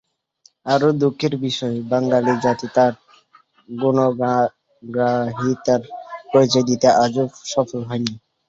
আরও দুঃখের বিষয়, বাঙালি জাতি তাঁর গুণগ্রাহিতার পরিচয় দিতে আজও সফল হয়নি।